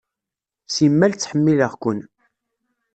Simmal ttḥemmileɣ-ken.